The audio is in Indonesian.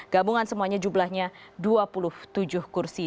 gabungan semuanya jumlahnya dua puluh tujuh kursi